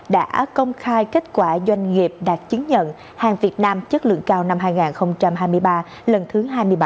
đã công khai kết quả doanh nghiệp đạt chứng nhận hàng việt nam chất lượng cao năm hai nghìn hai mươi ba lần thứ hai mươi bảy